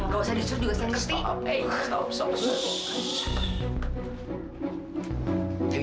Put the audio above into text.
gak usah disuruh juga saya ngerti